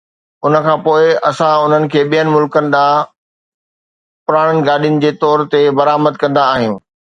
ان کان پوء اسان انهن کي ٻين ملڪن ڏانهن پراڻن گاڏين جي طور تي برآمد ڪندا آهيون